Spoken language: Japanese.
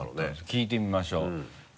聞いてみましょう。